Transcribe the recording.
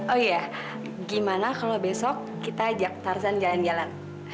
oh iya gimana kalau besok kita ajak tarzan jalan jalan